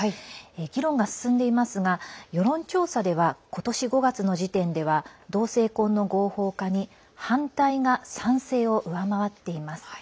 議論が進んでいますが世論調査では今年５月の時点では同性婚の合法化に反対が賛成を上回っています。